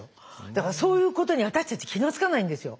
だからそういうことに私たち気が付かないんですよ。